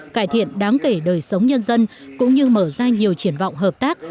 cải thiện đáng kể đời sống nhân dân cũng như mở ra nhiều triển vọng hợp tác